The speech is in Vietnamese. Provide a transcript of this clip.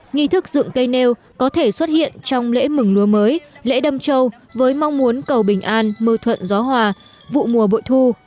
nghi thức dựng cây nêu có thể xuất hiện trong lễ mừng lúa mới lễ đâm châu với mong muốn cầu bình an mưa thuận gió hòa vụ mùa bội thu